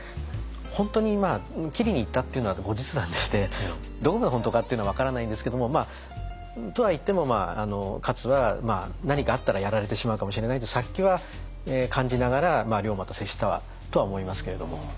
本当に斬りにいったっていうのは後日談でしてどこが本当かっていうのは分からないんですけどもとはいっても勝は何かあったらやられてしまうかもしれないという殺気は感じながら龍馬と接したとは思いますけれども。